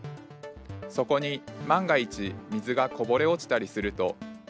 そこに万が一水がこぼれ落ちたりすると。